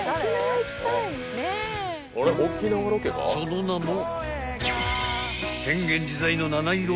［その名も］